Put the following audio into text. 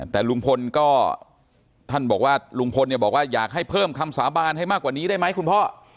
แต่ลุงพลบอกว่าอยากให้เพิ่มคำสาบานให้มากกว่านี้ได้ไหมคุณพ่อ